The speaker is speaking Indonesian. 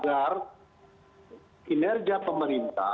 dan ini bukan saja tentang kesehatan percaya dan ini juga tentang kesalahan pemerintah